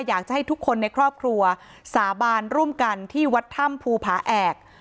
อยากจะให้ทุกคนในครอบครัวสาบานร่วมกันที่วัดถ้ำภูผาแอก